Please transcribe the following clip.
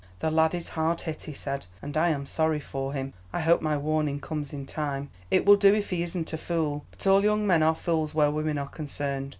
"The lad is hard hit," he said, "and I am sorry for him. I hope my warning comes in time; it will do if he isn't a fool, but all young men are fools where women are concerned.